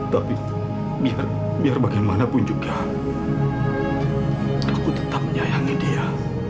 tapi biar bagaimanapun juga aku tetap menyayangi dia